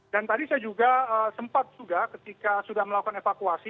dan tadi saya juga sempat juga ketika sudah melakukan evakuasi